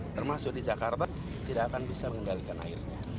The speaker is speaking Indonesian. termasuk di jakarta tidak akan bisa mengendalikan airnya